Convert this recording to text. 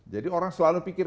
jadi orang selalu pikir